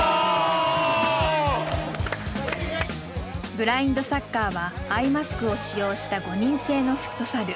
ブラインドサッカーはアイマスクを使用した５人制のフットサル。